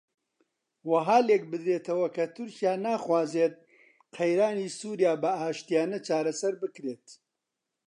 وەها لێک بدرێتەوە کە تورکیا ناخوازێت قەیرانی سووریا بە ئاشتییانە چارەسەر بکرێت